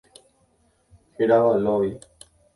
Hérava Lovi.